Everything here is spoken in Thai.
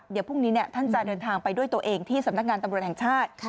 เดี๋ยวพรุ่งนี้ท่านจะเดินทางไปด้วยตัวเองที่สำนักงานตำรวจแห่งชาติ